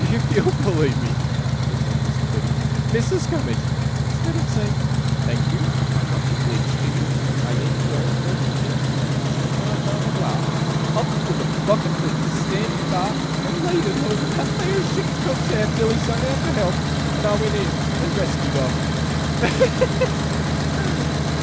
'If you'll believe me,' returned Mr. Peggotty, 'Missis Gummidge, 'stead of saying "thank you, I'm much obleeged to you, I ain't a going fur to change my condition at my time of life," up'd with a bucket as was standing by, and laid it over that theer ship's cook's head 'till he sung out fur help, and I went in and reskied of him.